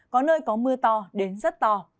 có nơi có mưa to đến rất to